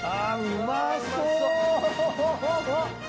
うまそう！